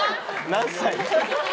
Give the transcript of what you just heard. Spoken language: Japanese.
何歳？